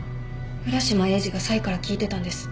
浦島エイジがサイから聞いてたんです。